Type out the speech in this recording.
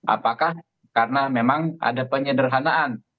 apakah karena memang ada penyederhanaan